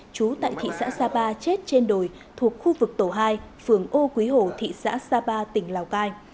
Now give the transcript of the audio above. chú tại thị xã sapa chết trên đồi thuộc khu vực tổ hai phường ô quý hồ thị xã sapa tỉnh lào cai